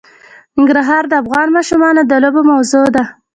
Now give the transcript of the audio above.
ننګرهار د افغان ماشومانو د لوبو موضوع ده.